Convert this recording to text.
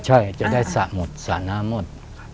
ใช่จะได้สระหมดสระน้ำหมด